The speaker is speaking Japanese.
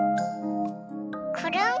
くるん。